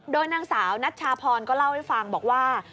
โดยนางสาวนัชชาพรก็เล่าให้ฟังบอกว่า